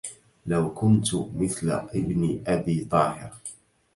لو كنت مثل ابن أبي طاهر